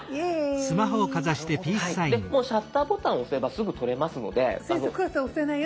もうシャッターボタンを押せばすぐ撮れますので。